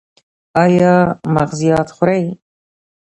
ایا مغزيات خورئ؟